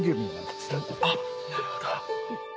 あっなるほど。